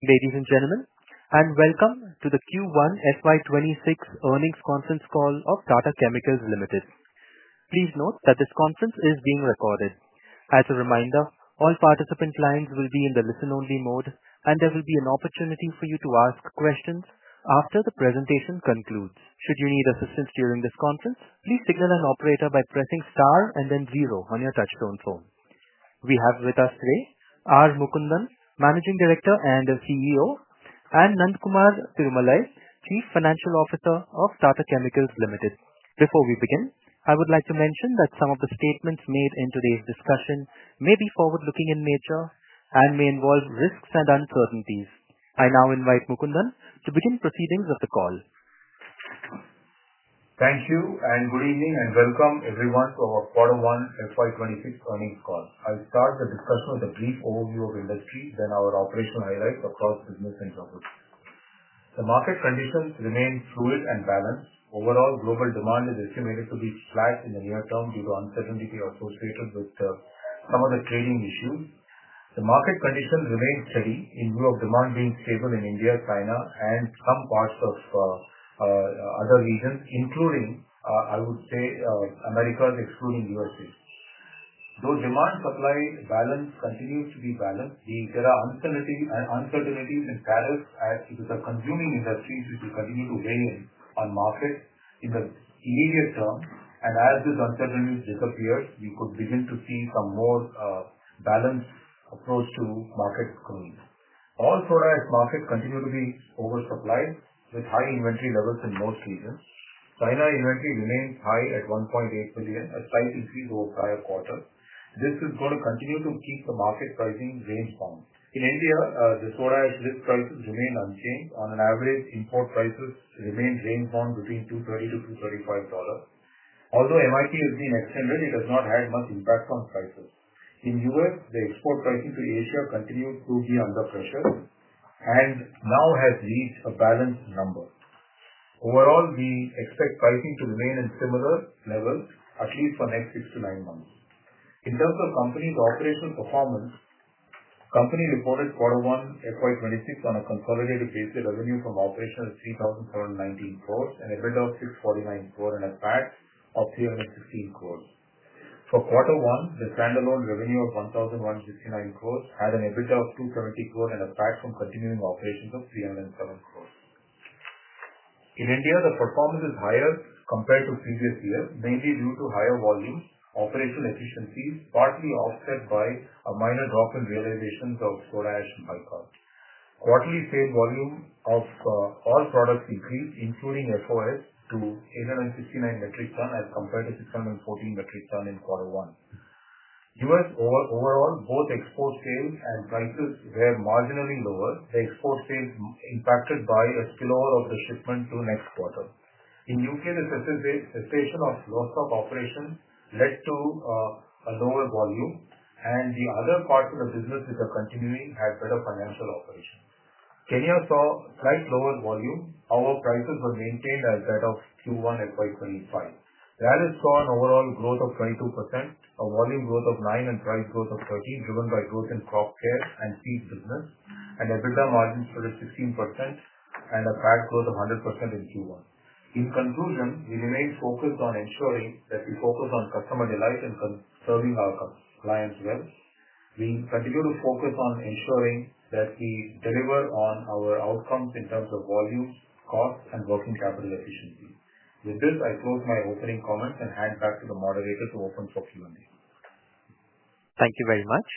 evening, ladies and gentlemen, and welcome to the Q1 FY 'twenty six Earnings Conference Call of Tata Chemicals Limited. Please note that this conference is being recorded. As a reminder, all participant lines will be in the listen only mode, and there will be an opportunity for you to ask questions after the presentation concludes. We have with us today, Arvukundan, Managing Director and CEO and Nandkumar Pirmalais, Chief Financial Officer of Tata Chemicals Limited. Before we begin, I would like to mention that some of the statements made in today's discussion may be forward looking in nature and may involve risks and uncertainties. I now invite Mukundan to begin proceedings of the call. Thank you, and good evening, and welcome, everyone, to our quarter one FY 'twenty six earnings call. I'll start the discussion with a brief overview of industry, then our operational highlights across business and geographies. The market conditions remain fluid and balanced. Overall, global demand is estimated to be flat in the near term due to uncertainty associated with some of the trading issues. The market conditions remain steady in growth demand being stable in India, China and some parts of other regions, including, I would say, Americas, excluding U. S. A. Though demand supply balance continues to be balanced, there are uncertainties in tariffs as it is a consuming industry, which will continue to weigh on market in the immediate term. And as this uncertainty disappears, we could begin to see some more balanced approach to market growth. All product market continue to be oversupplied with high inventory levels in most regions. China inventory remains high at $1,800,000,000 a slight increase over prior quarter. This is going to continue to keep the market pricing range bound. In India, the soda ash list prices remain unchanged. On an average, import prices remain range bound between $230 to $235 Although MIT has been extended, it has not had much impact on prices. In U. S, the export pricing to Asia continued to be under pressure and now has reached a balanced number. Overall, we expect pricing to remain at similar levels, at least for next six to nine months. In terms of company's operational performance, company reported quarter one FY 'twenty six on a consolidated basis, revenue from operations 3719 crores and EBITDA of INR $6.49 crore and a PAT of INR $3.16 crores. For quarter one, the stand alone revenue of INR $11.69 crores had an EBITDA of INR $2.70 crores and a PAT from continuing operations of INR $3.00 7 crores. In India, the performance is higher compared to previous year, mainly due to higher volumes, operational efficiencies, partly offset by a minor drop in realizations of soda ash and bicarb. Quarterly sales volume of all products increased, including FOS to eight fifty nine metric ton as compared to six fourteen metric ton in quarter one. U. S. Overall, both export sales and prices were marginally lower, the export sales impacted by a spillover of the shipment to next quarter. In U. K, the cessation of loss of operations led to a lower volume and the other parts of the business which are continuing had better financial operations. Kenya saw slight lower volume, our prices were maintained as that of Q1 FY 'twenty five. Rally saw an overall growth of 22%, a volume growth of 9% and price growth of 13%, driven by growth in crop care and feed business and EBITDA margins stood at 16% and a FAD growth of 100% in Q1. In conclusion, we remain focused on ensuring that we focus on customer delight and serving our clients well. We continue to focus on ensuring that we deliver on our outcomes in terms of volumes, costs and working capital efficiency. With this, I close my opening comments and hand back to the moderator to open for Q and A. Thank you very much.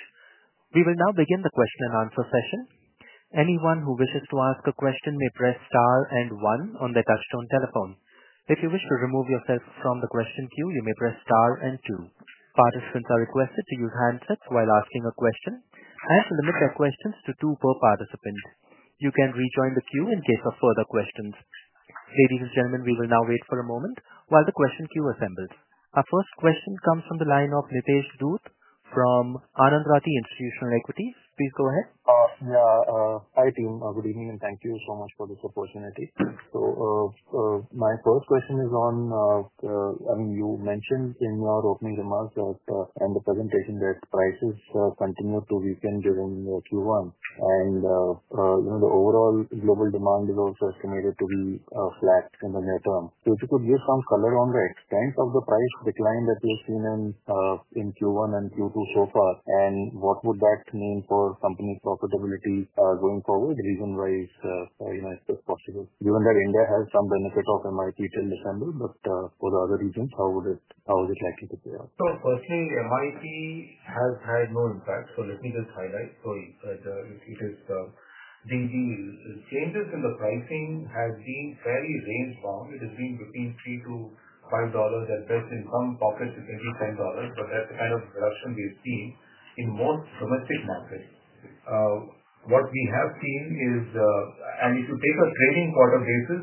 We will now begin the question and answer session. Participants are requested to use handsets while asking a question and limit their questions to two per participant. You can rejoin the queue in case of further questions. Ladies and gentlemen, we will now wait for a moment while the question queue assembles. Our first question comes from the line of Nitish Dhoot from Anandrati Institutional Equity. So my first question is on, I mean, you mentioned in your opening remarks and the presentation that prices continue to weaken during Q1. And the overall global demand is also estimated to be flat in the near term. So if you could give some color on the extent of the price decline that we've seen in in q one and q two so far, and what would that mean for company profitability going forward? The reason why is, you know, it's possible. Given that India has some benefit of MIT till December, but for the other reasons, how would it how would it likely to pay out? So firstly, MIT has had no impact. So let me just highlight. So the the changes in the pricing has been fairly range bound. It has been between $3 to $5 and best in some pockets, can be $10, but that's the kind of production we've seen in most domestic markets. What we have seen is and if you take a trading quarter basis,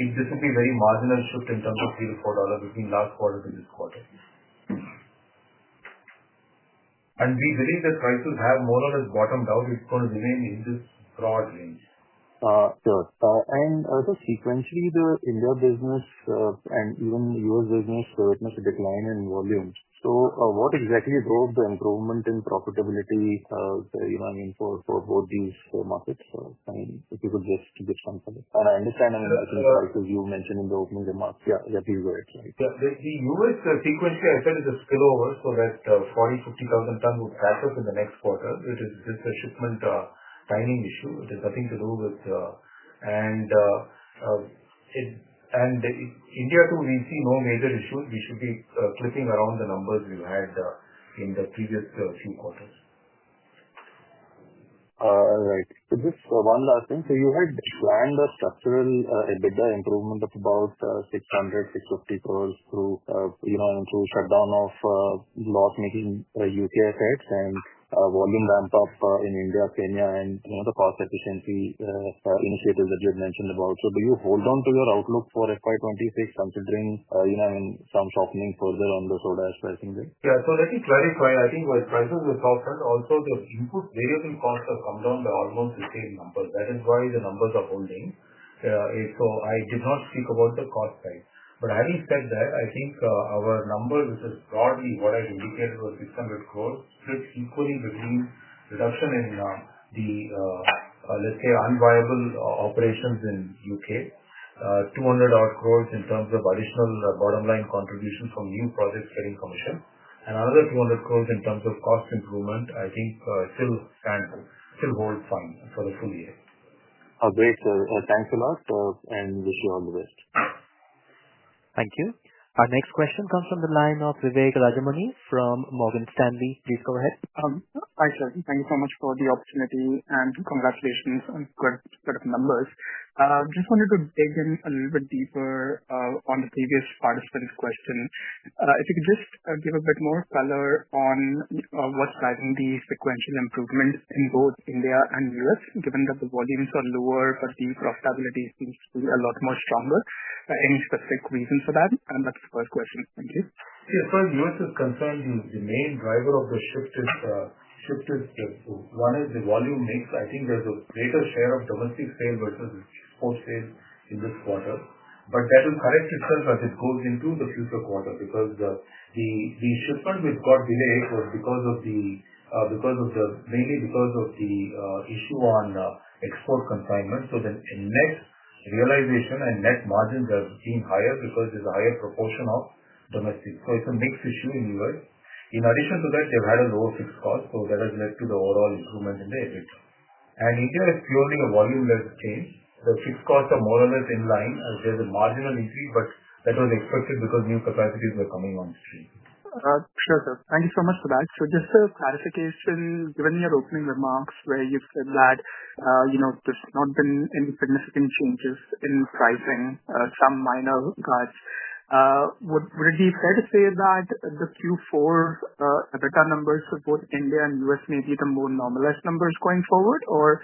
it just will be very marginal shift in terms of $3 to $4 between last quarter to this quarter. And we believe that prices have more or less bottomed out. It's going to remain in this broad range. Sure. And also, sequentially, the India business and even The US business, so it must decline in volumes. So what exactly drove the improvement in profitability, you know, I mean, for for both So I mean, if you could just to get some funding. And I understand I'm a bit surprised because you mentioned in the opening remarks. Yeah. Yeah. The The US sequentially, I said, is a spillover so that forty, fifty thousand tons will back up in the next quarter. It is just a shipment timing issue. It has nothing to do with and India too, see no major issues. We should be clicking around the numbers we've had in the previous few quarters. Alright. So just one last thing. So you had planned a structural EBITDA improvement of about $606.50 crores through, you know, into shutdown of loss making UK assets and volume ramp up in India, Kenya and, you know, the cost efficiency initiatives that you had mentioned about. So do you hold on to your outlook for FY '26 considering, you know, I mean, some softening further on the Yeah. So let me clarify. I think while prices are softened also, the input, they have been cost have come down to almost the same number. That is why the numbers are holding. So I did not speak about the cost side. But having said that, I think our number, which is broadly what I indicated was 600 crores, split equally between reduction in the, let's say, unviable operations in UK, 200 odd crores in terms of additional bottom line contribution from new projects getting commission, And another 200 crores in terms of cost improvement, think still stands still holds fine for the full year. Great, sir. Thanks a lot, and wish you all the best. Thank you. Our next question comes from the line of Vivek Rajamani from Morgan Stanley. Please go ahead. Hi, sir. Thank you so much for the opportunity and congratulations on good numbers. Just wanted to dig in a little bit deeper on the previous participant's question. If you could just give a bit more color on what's driving the sequential improvement in both India and U. S, given that the volumes are lower, but the profitability seems to be a lot more stronger. Any specific reason for that? And that's the first question. Yes. As far as U. Is concerned, main driver of the shift is shift is one is the volume mix. I think there's a greater share of domestic sales versus sports sales in this quarter. But that will correct itself as it goes into the future quarter because the shipment we've got delayed was because of the mainly because of the issue on export consignment. So the net realization and net margins have been higher because there's a higher proportion of domestic. So it's a mix issue in U. S. Addition to that, they've had a lower fixed cost, so that has led to the overall improvement in the EBIT. And India is purely a volume that's changed. The fixed costs are more or less in line as there's a marginal increase, but that was expected because new capacities were coming on stream. Sure, sir. Thank you so much for that. So just a clarification, given your opening remarks where you've said that, you know, there's not been any significant changes in pricing, some minor cuts. Would would it be fair to say that the q four EBITDA numbers for both India and US may be the more normalized numbers going forward? Or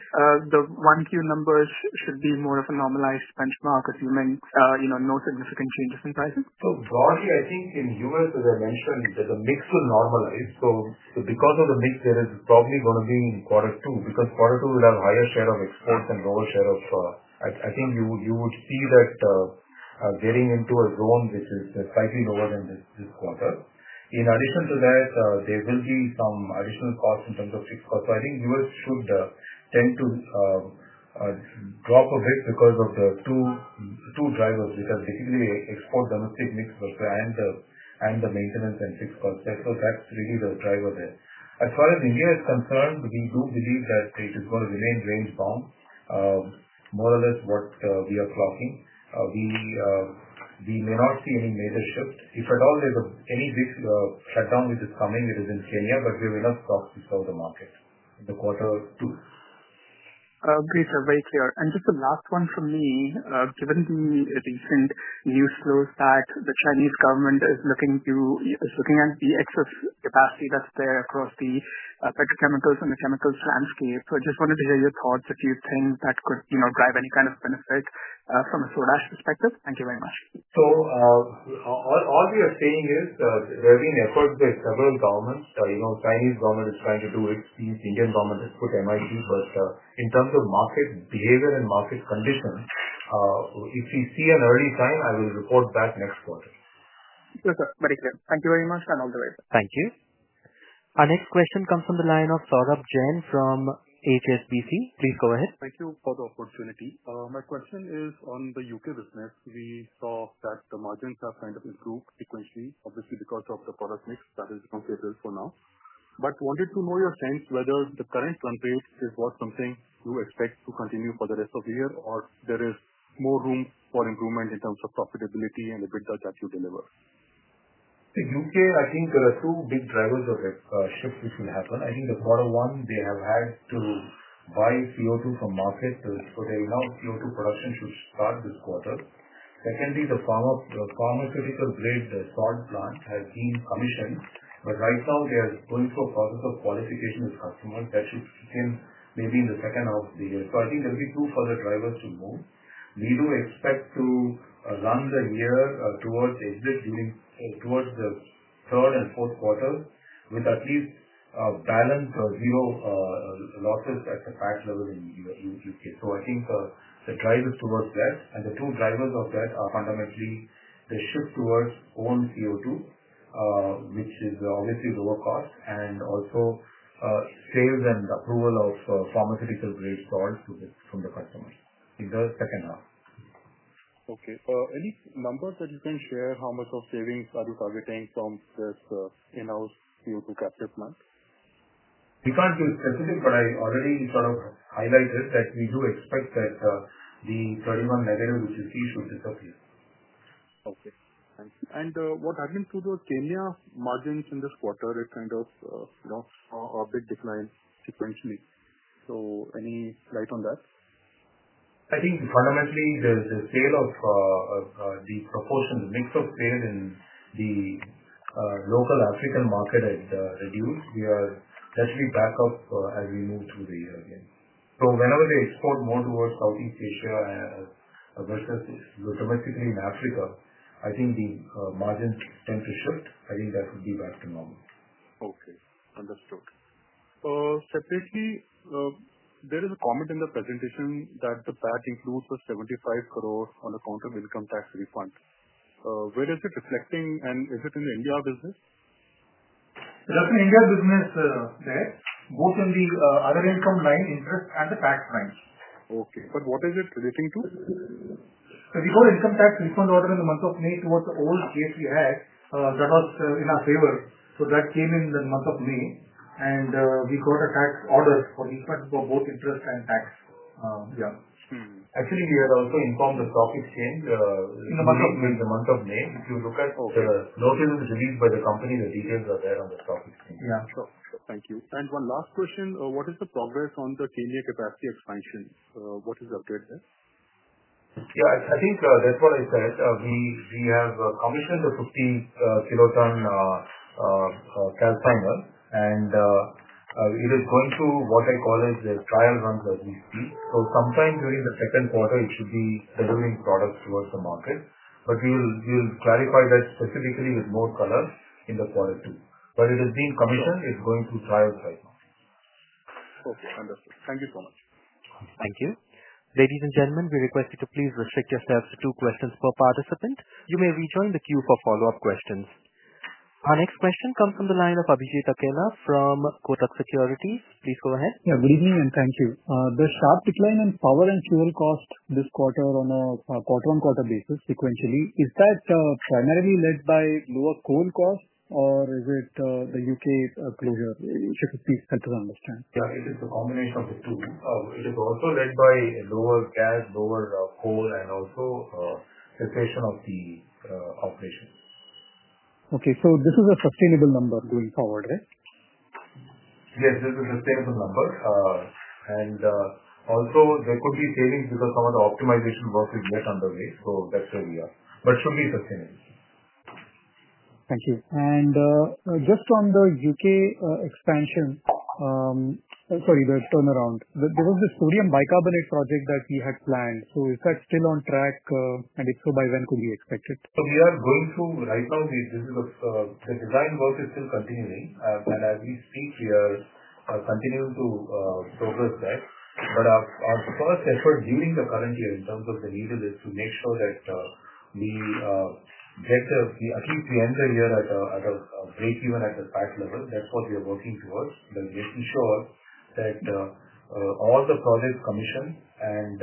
the one q numbers should be more of a normalized benchmark assuming, you know, no significant changes in pricing? So broadly, think in US, as I mentioned, there's a mix of normalized. So so because of the mix, there is probably gonna be in quarter two because quarter two will have higher share of exports and lower share of I think you would see that getting into a zone which is slightly lower than this quarter. In addition to that, there will be some additional costs in terms of fixed cost. So I think U. S. Should tend to drop a bit because of the two drivers, because basically export domestic mix and the maintenance and fixed cost. That's the driver there. As far as India is concerned, we do believe that it is going to remain range bound, more or less what we are clocking. We may not see any major shift. If at all there's any big shutdown which is coming, it is in Kenya, but we will not talk to sell the market in the quarter two. Okay, sir. Very clear. And just a last one for me. Given the recent news flow that the Chinese government is looking to is looking at the excess capacity that's there across the petrochemicals and the chemicals landscape. So I just wanted to hear your thoughts if you think that could, you know, drive any kind of benefit from a soda ash perspective? Thank you very much. So all all we are saying is there have been efforts with several governments. Chinese government is trying to do it. The Indian government has put MIT. But in terms of market behavior and market conditions, if we see an early time, I will report back next quarter. Yes, sir. Very clear. Thank you very much and all the way. Thank you. Our next question comes from the line of Saurabh Jain from HSBC. Please go ahead. Thank you for the opportunity. My question is on The UK business. We saw that the margins have kind of improved sequentially, obviously, because of the product mix that is completed for now. But wanted to know your sense whether the current run rate is worth something you expect to continue for the rest of the year or there is more room for improvement in terms of profitability and EBITDA that you deliver? In UK, I think there are two big drivers of that shift which will happen. I think the quarter one, they have had to buy CO2 from market, they announced CO2 production should start this quarter. Secondly, the pharmaceutical grade, the salt plant has been commissioned. But right now, they are going through a process of qualification with customers that should begin maybe in the second half of the year. So I think there'll be two further drivers to move. We do expect to run the year towards the third and fourth quarter with at least a balance of zero losses at the fact level in U. U. K. So I think the drivers towards that and the two drivers of that are fundamentally the shift towards own CO2, which is obviously lower cost and also sales and approval of pharmaceutical grade salt from the customers in the second half. Okay. Any numbers that you can share how much of savings are you targeting from this in house due to captive month? We can't do specific, but I already sort of highlighted that we do expect that the 31 negative issue is. Okay. And what happened to the Kenya margins in this quarter, it kind of, you know, a bit declined sequentially. So any light on that? I think fundamentally, the the sale of the proportion, the mix of sales and the local African market had reduced. We are actually back up as we move through the year again. So whenever they export more towards Southeast Asia versus domestically in Africa, I think the margins tend to shift. I think that would be back to normal. Okay. Understood. Separately, there is a comment in the presentation that the VAT includes the 75 crores on account of income tax refund. Where is it reflecting? And is it in the India business? That's in India business, sir, in the other income line interest and the tax line. Okay. But what is it relating to? So before income tax, we can order in the month of May towards the old case we had, That was in our favor. So that came in the month of May, and we got a tax order for both interest and tax. Yeah. Mhmm. Actually, we had also informed the stock exchange in the month of May in the month of May. If you look at notice is released by the company, the details are there on the stock exchange. Yes, sure. Thank you. And one last question, what is the progress on the ten year capacity expansion? What is the update there? Yes, I think that's what I said. We have commissioned a 50 kiloton calciner and it is going to what I call as the trial run that we see. So sometime during the second quarter, it should be delivering products towards the market. But we'll clarify that specifically with more color in the quarter two. But it is being commissioned, it's going to trial right now. Okay. Understood. Thank you so much. Thank you. Ladies and gentlemen, we request you to please restrict yourself to two questions per participant. You may rejoin the queue for follow-up questions. Our next question comes from the line of Abhijit Akhena from Kotak Securities. Please go ahead. Yes. Good evening, and thank you. The sharp decline in power and fuel cost this quarter on a quarter on quarter basis sequentially, is that primarily led by lower coal cost or is it The UK closure, should be better understand? Yes, it is a combination of the two. It is also led by lower gas, lower coal and also the station of the operations. Okay. So this is a sustainable number going forward. Right? Yes. This is a sustainable number. And also, there could be savings because some of the optimization work is underway. So that's where we are. But it should be sustained. Thank you. And just on The UK expansion sorry, the turnaround. There was this sodium bicarbonate project that we had planned. So is that still on track? And if so, by when could we expect So we are going through right now, this this is a the design work is still continuing. And as we speak here, continue to progress that. But our our first effort during the current year in terms of the needed is to make sure that we get the at least we enter the year at a breakeven at the back level. That's what we are working towards. We're making sure that all the project commission and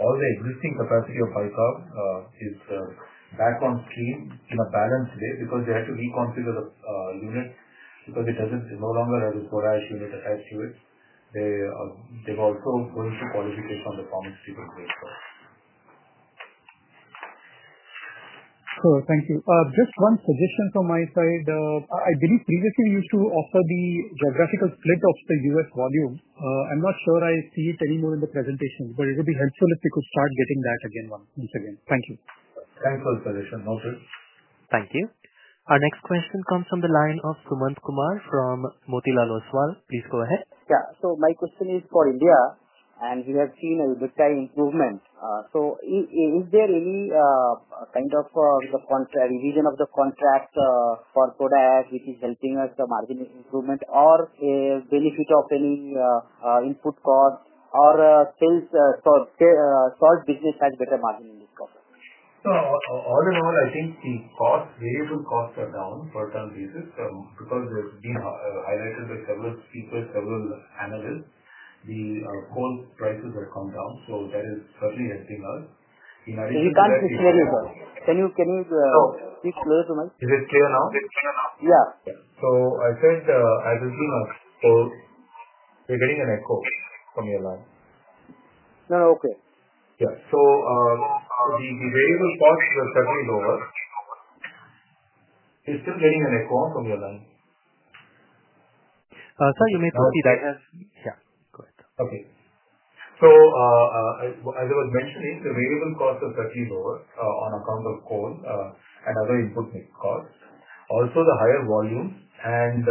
all the existing capacity of is back on stream in a balance day because they had to reconfigure the unit because it doesn't it no longer has a storage unit attached to it. They they've also going to qualification on the. So thank you. Just one suggestion from my side. Believe previously you used to offer the geographical split of The US volume. I'm not sure I see it anymore in the presentation, but it would be helpful if we could start getting that again once again. Thank you. Thanks for the question. No sir. Thank you. Our next question comes from the line of Sumant Kumar from Motilal Oswal. Please go ahead. Yes. So my question is for India, and we have seen a EBITDA improvement. So is there any kind of the contract, revision of the contract for product, which is helping us the margin improvement or a benefit of any input cost or sales business has better margin in this quarter? So all in all, I think the cost variable cost are down for some basis because there's been I've highlighted several people, several analysts. The coal prices have come down, so that is certainly helping us. In our We can't be clear about. Can you can you speak louder to me? Is it clear now? Is it clear now? Yeah. So I said, I just seen a so we're getting an echo from your line. No. Okay. Yeah. So the the variable cost is certainly lower. It's still getting an echo from your line. Sir, you made the right hand. Yeah. Go ahead. Okay. So as was mentioning, the variable cost is actually lower on account of coal and other input costs. Also, higher volume and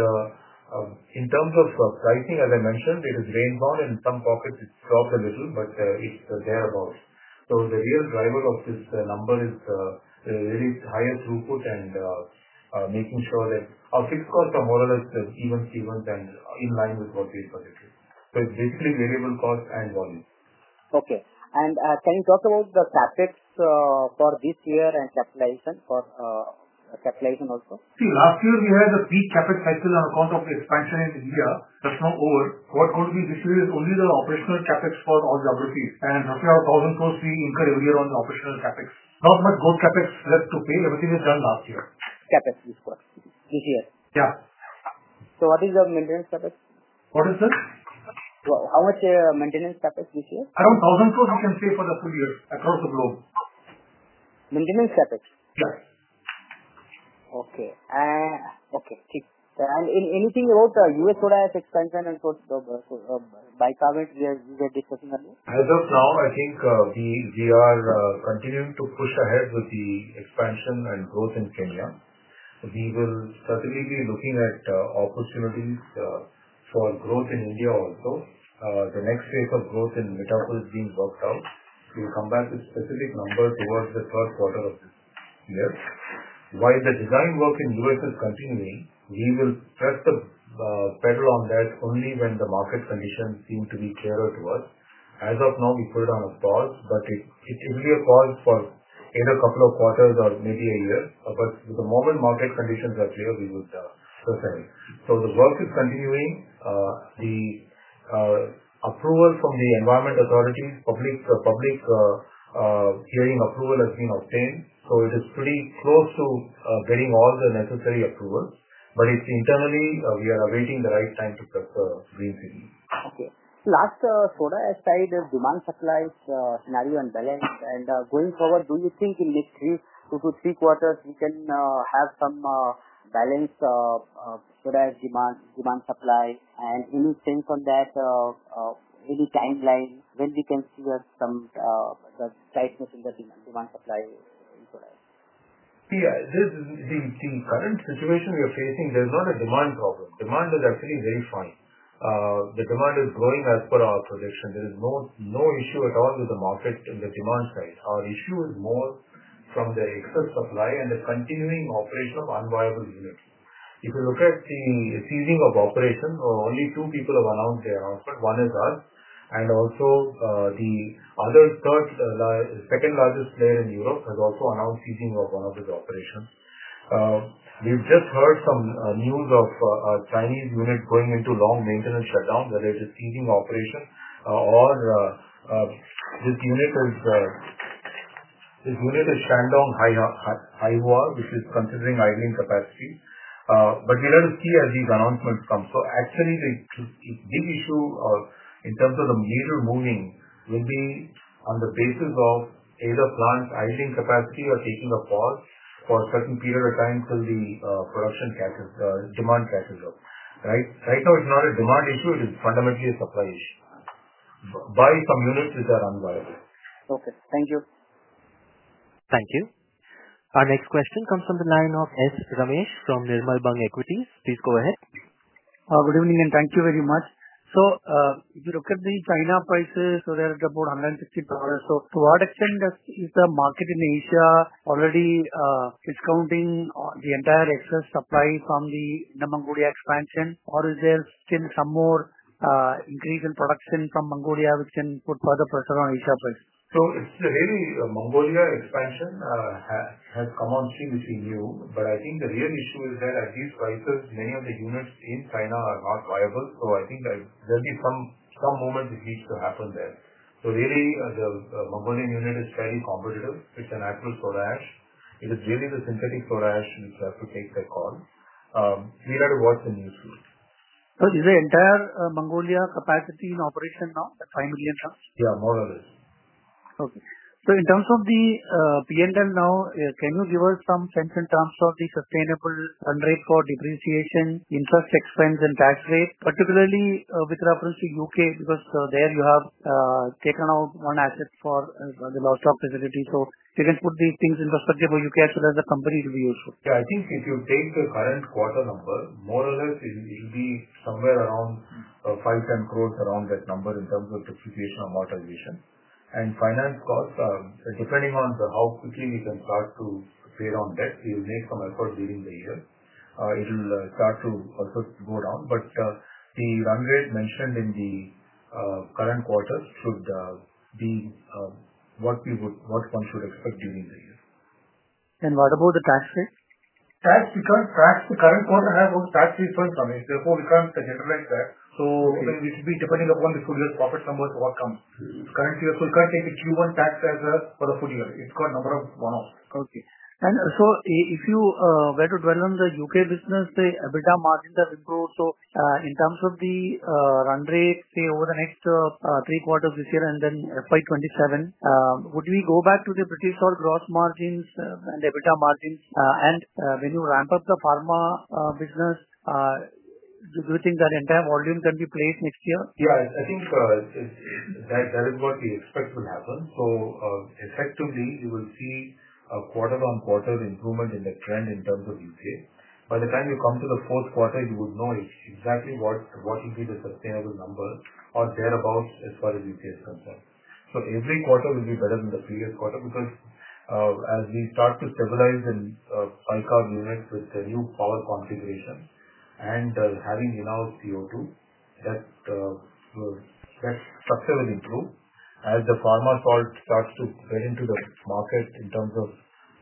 in terms of pricing, as I mentioned, it is rainbows and some pockets dropped a little, but it's thereabouts. So the real driver of this number is really higher throughput and making sure that our fixed cost are more or less even even then in line with what we projected. So it's basically variable cost and volume. Okay. And can you talk about the CapEx for this year and capitalization for capitalization also? See, last year, we had a peak CapEx cycle on account of expansion in India. That's not over. What could be this year is only the operational CapEx for all geographies. And after our thousand course fee incurred earlier on the operational CapEx. Not much gold CapEx left to pay. Everything is done last year. CapEx this quarter. This year? Yeah. So what is the maintenance CapEx? What is this? By comment we are discussing on this? As of now, I think are continuing to push ahead with the expansion and growth in Kenya. We will certainly be looking at opportunities for growth in India also. The next phase of growth in Metaprol is being worked out. We'll come back with specific numbers towards the first quarter of this year. While the design work in U. S. Is continuing, we will press the pedal on that only when the market conditions seem to be clearer to us. As of now, we put it on pause, but it will be a pause for in a couple of quarters or maybe a year. But the moment market conditions are clear, we would prefer. So the work is continuing. The approval from the environment authority, public hearing approval has been obtained. So it is pretty close to getting all the necessary approvals. But it's internally, we are awaiting the right time to prepare green. Okay. Last soda ash side is demand supply scenario and balance. And going forward, do you think in these three, two to three quarters, you can have some balance product demand demand supply and anything from that any timeline when we can see that some tightness in the demand demand supply. Yeah. This is the the current situation we are facing. There's not a demand problem. Demand is actually very fine. The demand is growing as per our projection. There is no no issue at all with the market in the demand side. Our issue is more from the excess supply and the continuing operation of unviable units. If you look at the seizing of operation, only two people have announced their offer. One is Us and also the other third, second largest player in Europe has also announced easing of one of its operations. We've just heard some news of Chinese units going into long maintenance shutdown, whether it is seizing operation or this unit is Shandong high wall, which is considering idling capacity. But we're going to see as these announcements come. So actually, big issue in terms of the major moving will be on the basis of either plant idling capacity or taking a pause for a certain period of time till the production demand catches up. Right? Right now, it's not a demand issue. Is fundamentally a supply Buy some units, which are unviable. Okay. Thank you. Thank you. Our next question comes from the line of S Ramesh from Nirmalbang Equities. Please go ahead. Good evening, and thank you very much. So if you look at the China prices, so there is about a $150. So to what extent is the market in Asia already discounting the entire excess supply from the the Mongolia expansion? Or is there still some more increase in production from Mongolia, which can put further pressure on Asia Pacific? So it's really Mongolia expansion has come on stream between you. But I think the real issue is that at these prices, many of the units in China are not viable. So I think that there'll be some some moments that needs to happen there. So really, the the Mongolian unit is very competitive. It's an actual soda ash. It is really the synthetic soda ash, which have to take the call. We'd like to watch the news. So is the entire Mongolia capacity in operation now, the 5,000,000 tons? Yeah. More or less. Okay. So in terms of the PNL now, can you give us some sense in terms of the sustainable run rate for depreciation, interest expense and tax rate, particularly with reference to UK? Because there you have taken out one asset for the lost opportunity. So you can put these things in perspective for UK as well as the company will be useful. Yeah. I think if you take the current quarter number, more or less, it'll it'll be somewhere around $5.10 crores around that number in terms of depreciation and amortization. And finance costs are depending on how quickly we can start to pay down debt, we'll make some effort during the year. It will start to also go down, but the run rate mentioned in the current quarter should be what we would what one should expect during the year. And what about the tax rate? Tax we can't tax the current one. Have all tax refund from it. Therefore, we can't generate that. So Okay. Like, it should be depending upon the full year's profit number to what comes. Currently, we can't take the q one tax as well for the full year. It's got a number of one offs. Okay. And so if you were to dwell on The UK business, the EBITDA margin has improved. So in terms of the run rate, say, over the next three quarters this year and then FY '27, would we go back to the British all gross margins and EBITDA margins? And when you ramp up the pharma business, do you think that entire volume can be placed next year? Yes. I think that that is what we expect will happen. So effectively, you will see a quarter on quarter improvement in the trend in terms Of U. K. By the time you come to the fourth quarter, you would know exactly what will be the sustainable number or thereabouts as far as U. K. Is concerned. So every quarter will be better than the previous quarter because as we start to stabilize and cycle units with the new power configuration and having enough CO2 that that structure will improve as the pharma part starts to get into the market in terms of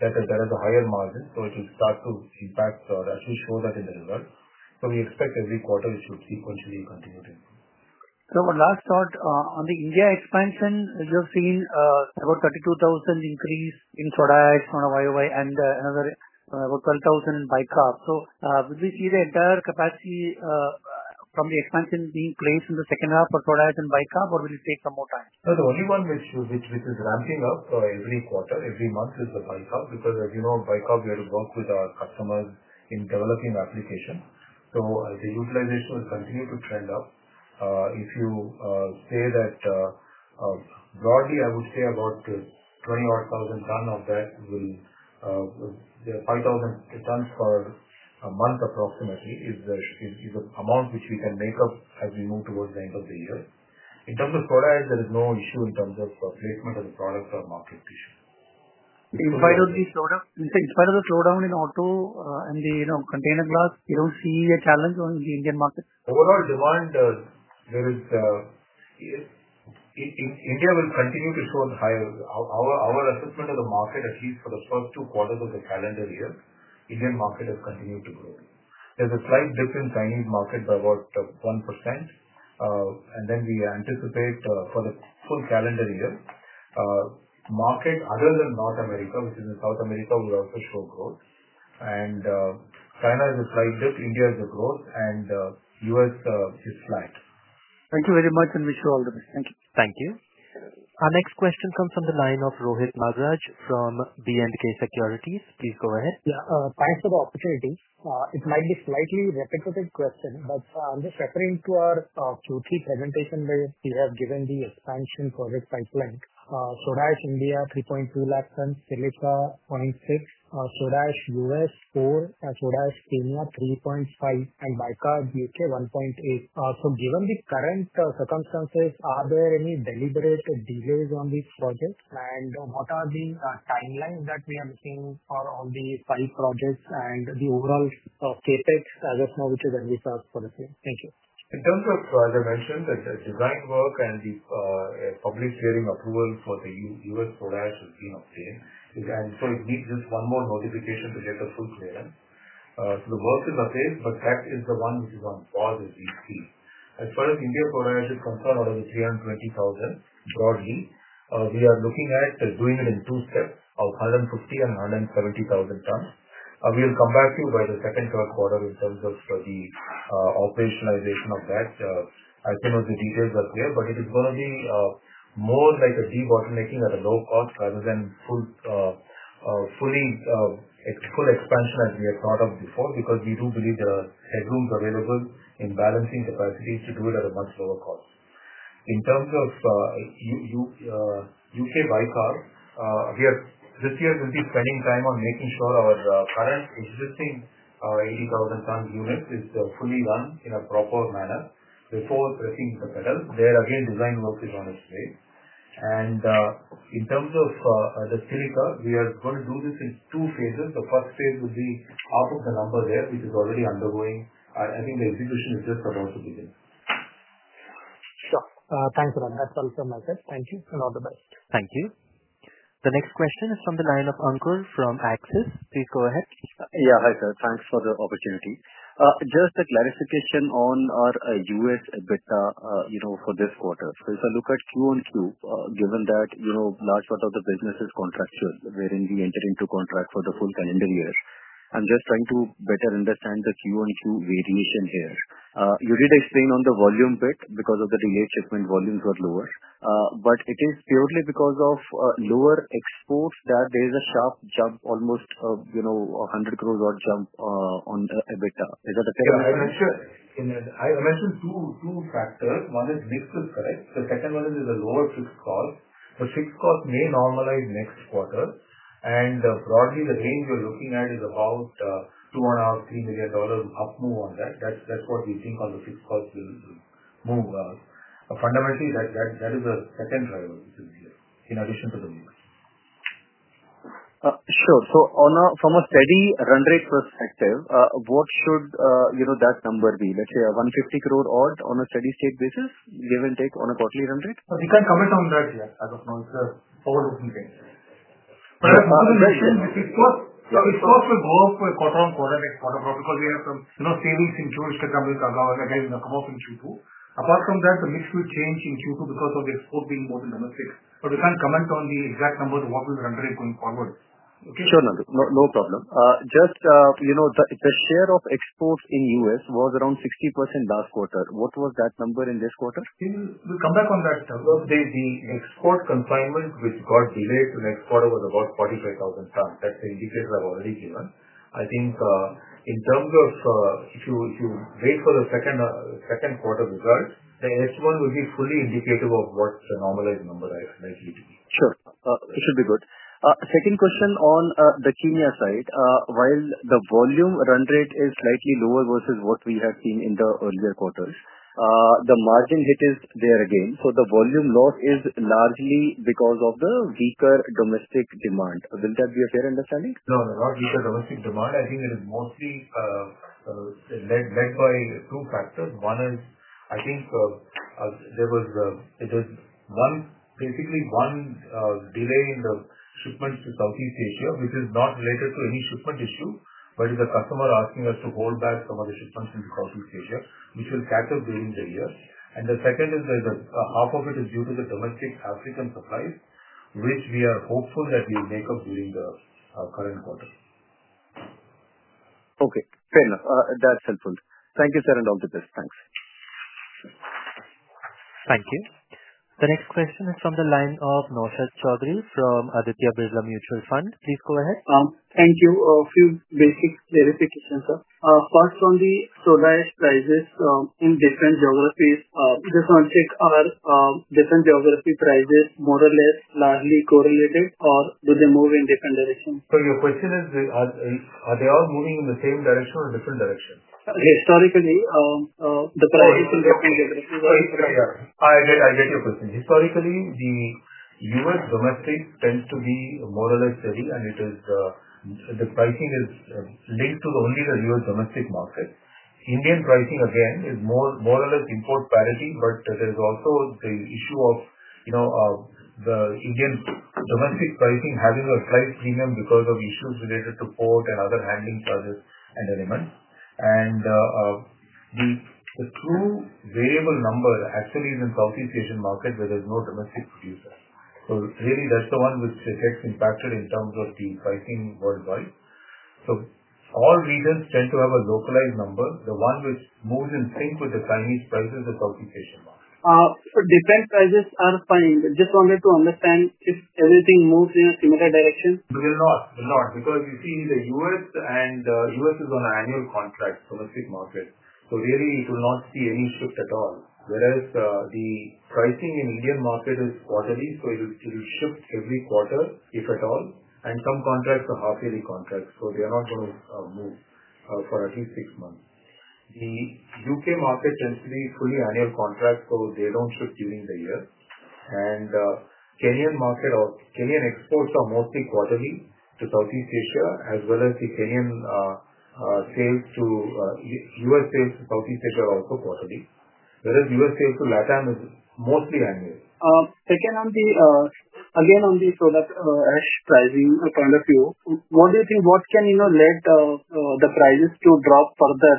that is that is a higher margin, so it will start to impact or actually show that in the results. So we expect every quarter, it should sequentially continue to improve. So my last thought on the India expansion, you have seen about 32,000 increase in product on a Y o Y and another about 12,000 in Baikal. So would we see the entire capacity from the expansion being placed in the second half for product and Baikal, or will it take some more time? No. The only one which which which is ramping up for every quarter, every month is the Baikal because as you know, Baikal, we have worked with our customers in developing applications. So the utilization will continue to trend up. If you say that broadly, I would say about 20 odd thousand ton of that will the 5,000 tons per month approximately is the is the amount which we can make up as we move towards the end of the year. In terms of chloride, there is no issue in terms of placement of the product or market issue. In spite of the slowdown in auto and the, you know, container glass, you don't see a challenge on the Indian market? Overall demand, there is India will continue to show us higher. Our assessment of the market least for the first two quarters of the calendar year, Indian market has continued to grow. There's a slight difference in Chinese market by about 1%. And then we anticipate for the full calendar year, market other than North America, which is in South America, will also show growth. And China is a slight dip, India is a growth, and U. S. Is flat. Thank you very much and wish you all the best. Thank you. Our next question comes from the line of Rohit Madraj from BNK Securities. Please go ahead. Yeah. Thanks for the opportunity. It might be slightly repetitive question, but I'm just referring to our two three presentation where you have given the expansion project pipeline. So that's India, 3.2 lakhs and Celica, 26. So dash US, four. So dash India, 3.5. And Vaika, UK, 1.8. So given the current circumstances, are there any deliberate delays on this project? And what are the time lines that we are seeing for all these five projects and the overall CapEx as of now, which is a result for the same? Thank you. In terms of, as I mentioned, the design work and the public clearing approval for The US has been obtained. And so it needs just one more modification to get a full clearance. So the work is not paid, but that is the one which is on pause as we see. As far as India potash is concerned, out of the 320,000, broadly, we are looking at doing it in two steps of 150,170 tonnes. We'll come back to you by the second quarter in terms of the operationalization of that. I think all the details are clear, but it is going to be more like a debottlenecking at a low cost rather than full expansion as we have thought of before because we do believe the headroom available in balancing the price needs to do it at a much lower cost. In terms of U. K. By car, we are this year, we'll be spending time on making sure our current existing 80,000 tonnes unit is fully run-in a proper manner before pressing the pedal. They are again designed to work on its way. And in terms of the, we are going to do this in two phases. The first phase would be out of the number there, which is already undergoing. I think the execution is just about to begin. Sure. Thanks a lot. That's all from my side. Thank you and all the best. Thank you. The next question is from the line of Ankur from Axis. Please go ahead. Yes. Hi, sir. Thanks for the opportunity. Just a clarification on our U. S. EBITDA, for this quarter. So if I look at Q on Q, given that large part of the business is contractual, wherein we enter into contract for the full calendar year. I'm just trying to better understand the Q on Q variation here. You did explain on the volume bit because of the delayed shipment volumes were lower. But it is purely because of lower exports that there is a sharp jump almost of, you know, 100 crores odd jump on the EBITDA. Is that the I mentioned two factors. One is mix is correct. The second one is the lower fixed cost. The fixed cost may normalize next quarter. And broadly, the range we're looking at is about 2,500,000.0 move on that. That's what we think on the fixed cost will move. Fundamentally, is the second driver in addition to the movement. Sure. So on a from a steady run rate perspective, what should, you know, that number be? Let's say, $1.50 crore odd on a steady state basis, give and take on a quarterly run rate? We can't comment on that yet. I don't know. It's a forward looking thing. But I have another question. If it's possible both quarter on quarter next quarter because we have some, you know, savings in June to come with our guidance, the cost in Q2. Apart from that, the mix will change in Q2 because of the export being more than domestic. But we can't comment on the exact numbers of what we're rendering going forward. Okay? Sure, Nandhu. No problem. Just the share of exports in U. S. Was around 60% last quarter. What was that number in this quarter? We'll come back on that. The consignment, which got delayed to next quarter was about 45,000 tons. That's the indicator I've already given. I think in terms of if you if you wait for the second second quarter results, the h one will be fully indicative of what's the normalized number I expect. Sure. It should be good. Second question on the Kenya side. While the volume run rate is slightly lower versus what we have seen in the earlier quarters, the margin hit is there again. So the volume loss is largely because of the weaker domestic demand. Will that be a fair understanding? No, no, not weaker domestic demand. I think it is mostly led by two factors. One is, I think there was one, basically one delay in the shipments to Southeast Asia, which is not related to any shipment issue, but the customer asking us to hold back some of the shipments in Southeast Asia, which will settle during the year. And the second is that half of it is due to the domestic African supply, which we are hopeful that we'll make up during the current quarter. Thank you. The next question is from the line of Naushat Chaudhry from Aditya Birla Mutual Fund. Please go ahead. Thank you. A few basic clarifications, sir. First, on the solar prices in different geographies, just one check our different geography prices more or less largely correlated, or do they move in different direction? So your question is they are are they all moving in the same direction or different direction? Historically, the prices will be Sorry. Yeah. I get I get your question. Historically, The US domestic tends to be more or less steady, and it is the pricing is linked to the only The US domestic market. Indian pricing again is or less import parity, but there's also the issue of the Indian domestic pricing having a price premium because of issues related to port and other handling charges and elements. And the two variable number actually is in Southeast Asian market where there's no domestic producers. So really, that's the one which is impacted in terms of deal pricing worldwide. So all regions tend to have a localized number. The one which moves in sync with the Chinese prices is qualification. So different prices are fine. Just wanted to understand if everything moves in a similar direction? Will not. Will not. Because you see The US and US is on annual contract for the big market. So really, it will not see any shift at all. Whereas the pricing in median market is quarterly, so it will it will shift every quarter, if at all. And some contracts are half yearly contracts, so they are not going to move for at least six months. The UK market tends to be fully annual contracts, so they don't ship during the year. And Kenyan market or Kenyan exports are mostly quarterly to Southeast Asia as well as the Kenyan sales to US sales to Southeast Asia are also quarterly. Whereas US sales to LatAm is mostly annual. Second, on the again, on the product pricing, what do you think what can, you know, lead the prices to drop further?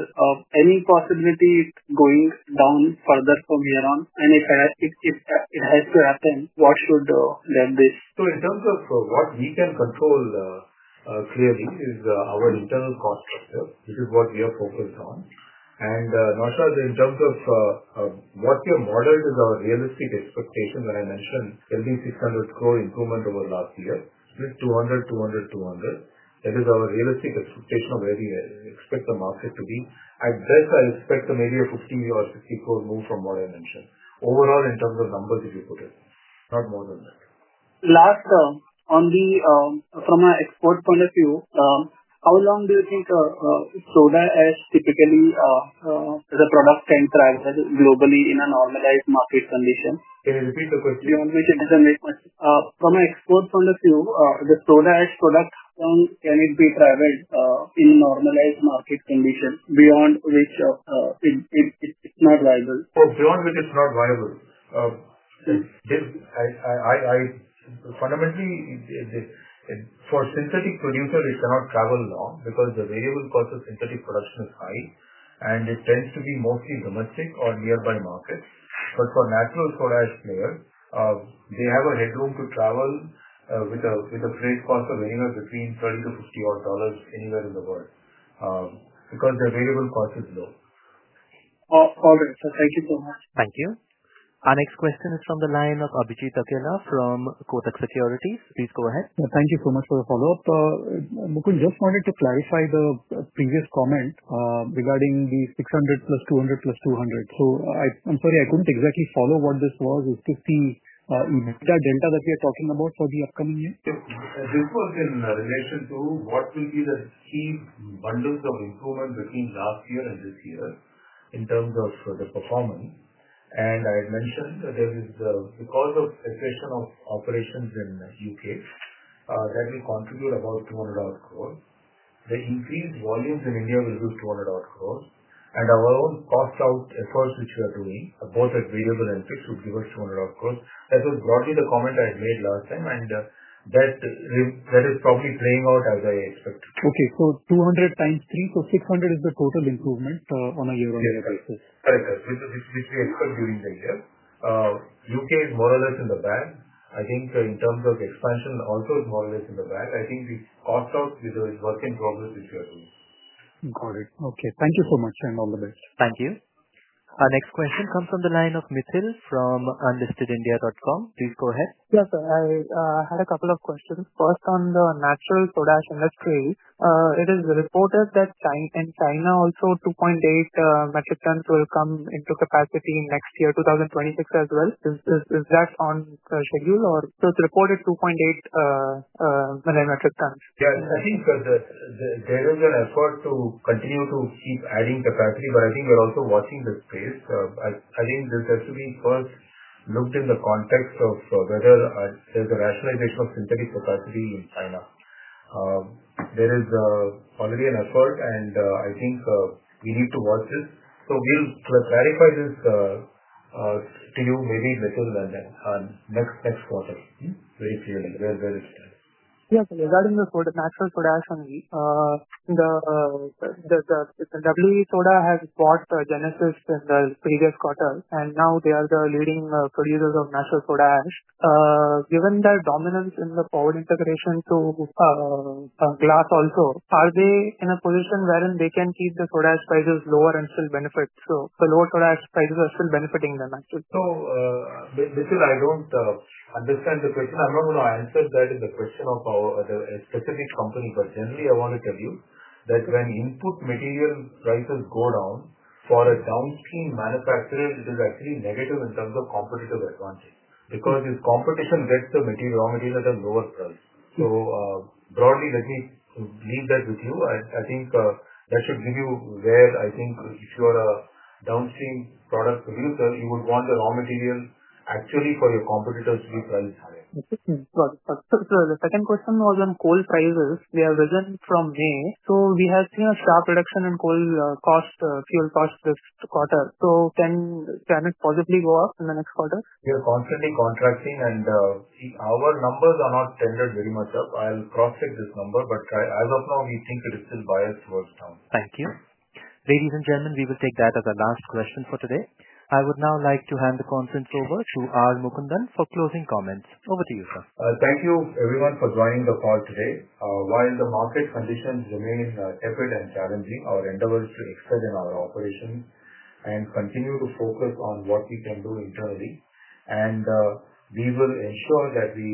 Any possibility going down further from here on? And if I ask if if it has to happen, what should then this So in terms of what we can control clearly is our internal cost structure. This is what we are focused on. And, Nausha, in terms of what your model is our realistic expectation that I mentioned, there'll be 600 crore improvement over last year, split 200, 200, 200. That is our realistic expectation of where we expect the market to be. I guess I expect the maybe 50 or 64 move from what I mentioned. Overall, in terms of numbers, if you put it, not more than that. Last, on the from an export point of view, how long do you think soda ash typically the product can thrive globally in a normalized market condition? Can you repeat the question? Beyond which is the next one. From a export point of view, the soda ash product, can it be private in normalized market condition beyond which it it it's not viable. Oh, beyond which it's not viable. I I I I fundamentally, for synthetic producers, it cannot travel long because the variable cost of synthetic production is high, and it tends to be mostly domestic or nearby market. But for natural for ash, have a headroom to travel with a with a freight cost of anywhere between 30 to 50 odd dollars anywhere in the world because the available cost is low. Got it, sir. Thank you so much. Thank you. Our next question is from the line of Abhijit Aguirna from Kotak Securities. Please go ahead. Thank you so much for the follow-up. Mukun, just wanted to clarify the previous comment regarding the 600 plus 200 plus 200. So I I'm sorry. I couldn't exactly follow what this was. It's 50 delta that we are talking about for the upcoming year. This was in relation to what will be the key bundles of improvement between last year and this year in terms of the performance. And I had mentioned that there is the because of inflation of operations in UK that will contribute about 200 odd crores. The increased volumes in India will do 200, and our own cost out efforts which we are doing, both at variable and fixed would give us 200 odd crores. That was broadly the comment I had made last time, and that that is probably playing out as I expect. Okay. So 200 times three, so 600 is the total improvement on a year on year basis? Correct. Which which we are doing the year. UK is more or less in the bag. I think in terms of expansion also is more or in the bag. I think we caught up with a work in progress with. Got it. Okay. Thank you so much, sir, and all the best. Thank you. Our next question comes from the line of Mitel from understoodindia.com. Please go ahead. Yes. I had a couple of questions. First, on the natural potash industry. It is reported that China in China also 2.8 metric tons will come into capacity next year, 2026 as well. Is is is that on schedule or so it's reported 2.8 metric tons? Yeah. I think that the the there is an effort to continue to keep adding capacity, but I think we're also watching this phase. I think this has to be first looked in the context of whether there's a rationalization of synthetic capacity in China. There is already an effort, and I think we need to watch this. So we'll clarify this to you maybe later than that on next next quarter. Yes. Regarding the soda natural soda ash only, the the the the the WE soda has bought Genesis in the previous quarter, and now they are the leading producers of natural soda ash. Given their dominance in the forward integration to glass also, are they in a position wherein they can keep the soda ash prices lower and still benefit? The lower soda ash prices are still benefiting them, actually. Is don't understand the question. I'm not gonna answer that in the question of our other specific company, but generally, wanna tell you that when input material prices go down, for a downstream manufacturer, it is actually negative in terms of competitive advantage. Because this competition gets the material, raw material at a lower price. So, broadly, let me leave that with you. I I think that should give you where I think if you're a downstream product producer, you would want the raw material actually for your competitors to be priced higher. Okay. Got it. Sir, the second question was on coal prices. We have risen from May. So we have seen a sharp reduction in coal cost fuel cost this quarter. So can can it possibly go up in the quarter? We are constantly contracting, and our numbers are not tender very much up. I'll cross check this number, but as of now, we think it is still biased towards now. Thank you. Ladies and gentlemen, we will take that as the last question for today. I would now like to hand the conference over to R. Mukundan for closing comments. Over to you, sir. Thank you, everyone, for joining the call today. While the market conditions remain evident challenging, our endeavor is to excel in our operation and continue to focus on what we can do internally. And we will ensure that we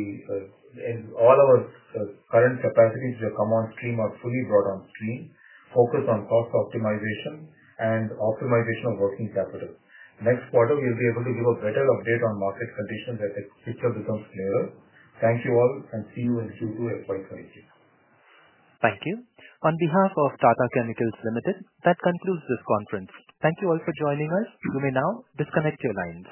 in all of our current capacities to come on stream are fully brought on stream, focus on cost optimization and optimization of working capital. Next quarter, we'll be able to give a better update on market conditions as the future becomes clearer. Thank you all and see you in Q2 FY 'twenty two. Thank you. On behalf of Tata Chemicals Limited, that concludes this conference. Thank you all for joining us. You may now disconnect your lines.